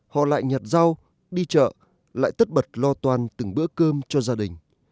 họ lại nhặt rau đi chợ lại tất bật lo toàn từng bữa cơm cho gia đình